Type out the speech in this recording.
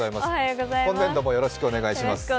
今年度もよろしくお願いいたします。